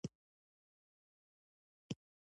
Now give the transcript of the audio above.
ما هېڅکله چاته بده خبره نه وه کړې